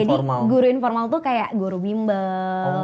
jadi guru informal tuh kayak guru bimbel